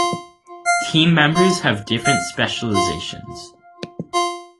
Team members have different specializations.